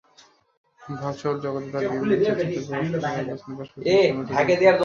ভার্চ্যুয়াল-জগতে তাঁর বিভিন্ন স্থিরচিত্র প্রকাশ করে আলোচনার পাশাপাশি তিনি সমালোচিতও হয়েছেন।